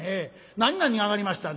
何々上がりました？」。